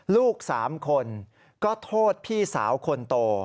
ลูก๓คนก็โทษพี่สาวคนโต